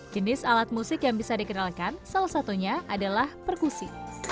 jenis alat musik yang bisa dikenalkan salah satunya adalah perkusi